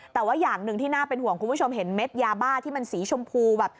แต่ว่าอย่างหนึ่งที่น่าเป็นห่วงคุณผู้ชมเห็นเม็ดยาบ้าที่มันสีชมพูแบบ